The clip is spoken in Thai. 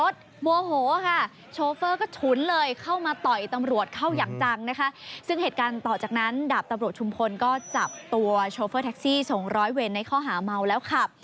ตัวโชฟเฟอร์แท็กซี่ส่ง๑๐๐เวลในข้อหามัวแล้วค่ะ